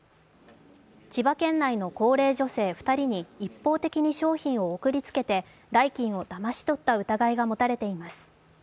千葉県内の高齢女性２人に一方的に商品を送りつけて代金をだまし取った疑いが持たれています。